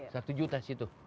satu juta di situ